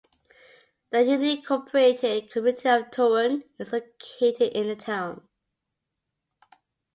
The unincorporated community of Torun is located in the town.